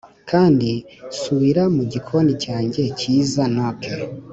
kandi subira mu gikoni cyanjye cyiza nook